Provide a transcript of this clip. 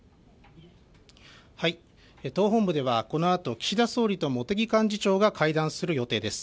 党本部では、このあと、岸田総理と茂木幹事長が会談する予定です。